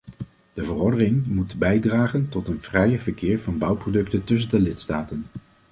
De verordening moet bijdragen tot een vrijer verkeer van bouwproducten tussen de lidstaten.